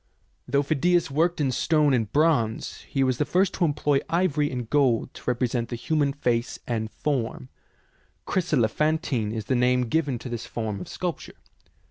Though Phidias worked in stone and bronze, he was the first to employ ivory and gold to re present the human face and form. Chryselephan tine is the name given to this form of sculpture.